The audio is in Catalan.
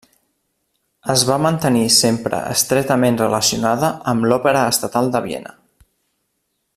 Es va mantenir sempre estretament relacionada amb l'Òpera Estatal de Viena.